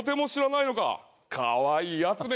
かわいいヤツめ。